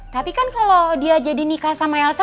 tapi kan kalau dia jadi nikah sama elsa